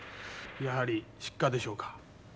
やはり失火でしょうか？